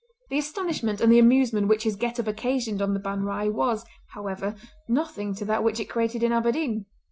The astonishment and the amusement which his get up occasioned on the Ban Righ was, however, nothing to that which it created in Aberdeen.